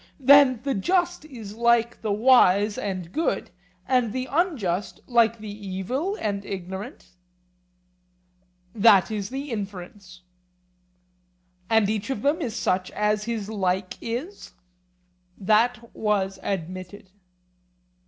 Then the just is like the wise and good, and the unjust like the evil and ignorant? That is the inference. And each of them is such as his like is? That was admitted.